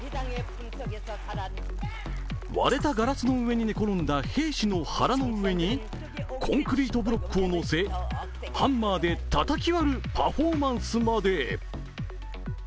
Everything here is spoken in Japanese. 割れたガラスの上に寝転んだ兵士の腹の上にコンクリートブロックを乗せハンマーでたたき割るパフォーマンスまで。